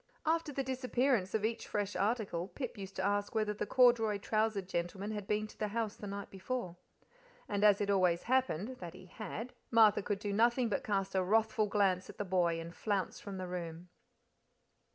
And after the disappearance of each fresh article, Pip used to ask whether the corduroy trousered gentleman had been to the house the night before. And as it always happened, that he had, Martha could do nothing but cast a wrathful glance at the boy and flounce from the room.